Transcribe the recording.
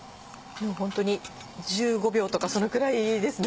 ホントに１５秒とかそのくらいですね。